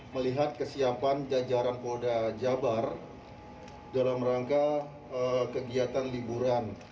melihat kesiapan jajaran polda jabar dalam rangka kegiatan liburan